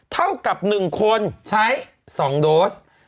เท่ากับ๑คนใช้๒โดส